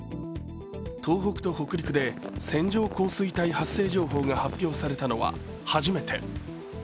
東北と北陸で線状降水帯発生情報が発表されたのは初めて。